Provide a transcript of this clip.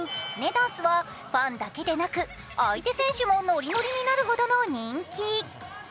ダンスはファンだけでなく、相手選手もノリノリになるほど人気。